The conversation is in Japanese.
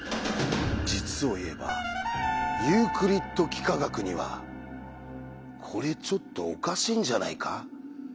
実を言えばユークリッド幾何学にはこれちょっとおかしいんじゃないか？という１つのうわさが